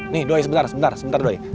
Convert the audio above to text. nih doy sebentar sebentar doi